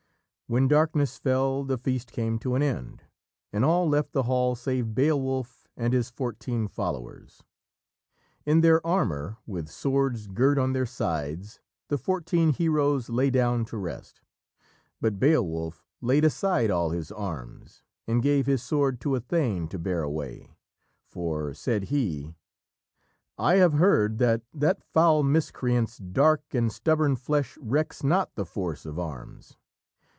When darkness fell the feast came to an end, and all left the hall save Beowulf and his fourteen followers. In their armour, with swords girt on their sides, the fourteen heroes lay down to rest, but Beowulf laid aside all his arms and gave his sword to a thane to bear away. For, said he, "I have heard That that foul miscreant's dark and stubborn flesh Recks not the force of arms